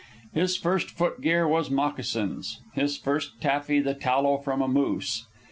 His first foot gear was moccasins, his first taffy the tallow from a moose.